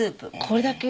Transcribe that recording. これだけ。